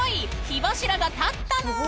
火柱が立ったぬん！